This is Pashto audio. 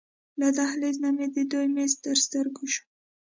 له دهلېز نه مې د دوی میز تر سترګو شو.